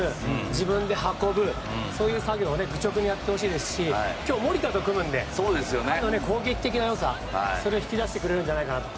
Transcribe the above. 自分で運ぶそういう作業を愚直にやってほしいですし今日、守田と組むので攻撃的なよさを引き出してくれるかなと。